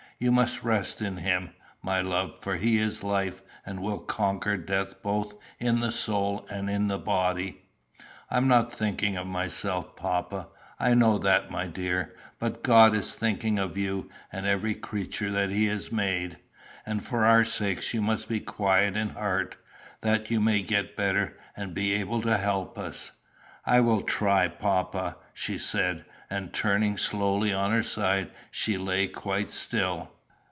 You must rest in him, my love; for he is life, and will conquer death both in the soul and in the body." "I was not thinking of myself, papa." "I know that, my dear. But God is thinking of you and every creature that he has made. And for our sakes you must be quiet in heart, that you may get better, and be able to help us." "I will try, papa," she said; and, turning slowly on her side, she lay quite still.